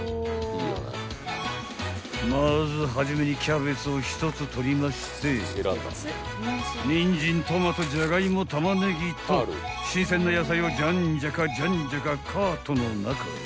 ［まず初めにキャベツを１つ取りましてニンジントマトジャガイモタマネギと新鮮な野菜をじゃんじゃかじゃんじゃかカートの中へ］